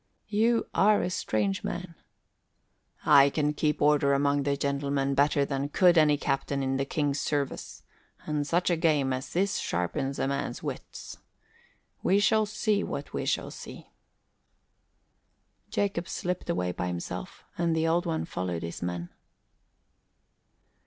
"You are a strange man." "I can keep order among the gentlemen better than could any captain in the King's service; and such a game as this sharpens a man's wits. We shall see what we shall see." Jacob slipped away by himself and the Old One followed his men.